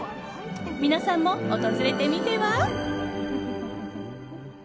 皆さんも訪れてみては？